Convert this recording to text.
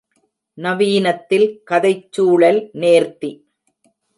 நவீனத்தில் கதைச் சூழல் நேர்த்தி.